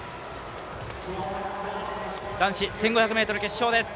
男子１５００ｍ決勝です。